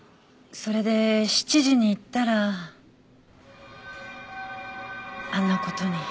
それで７時に行ったらあんな事に。